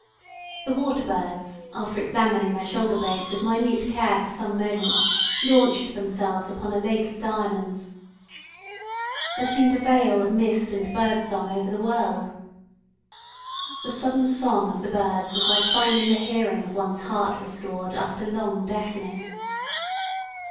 The water birds, after examining their shoulder blades with minute care for some moments, launched themselves upon a lake of diamonds. There seemed a veil of mist and bird song over the world. The sudden song of the birds was like finding the hearing of one's heart restored, after long deafness.